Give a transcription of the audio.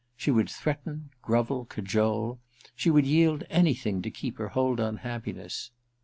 She would threaten, grovel, cajole ... she would yield anything to keep her hold on happiness.